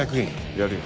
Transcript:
やるよ。